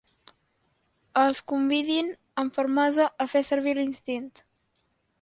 Els convidin amb fermesa a fer servir l'instint.